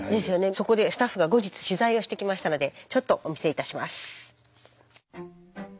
そこでスタッフが後日取材をしてきましたのでちょっとお見せいたします。